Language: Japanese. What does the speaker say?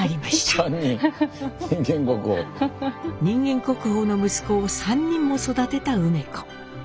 人間国宝の息子を３人も育てた梅子。